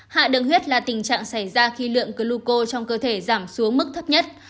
hạ đường huyết là tình trạng xảy ra khi lượng cluco trong cơ thể giảm xuống mức thấp nhất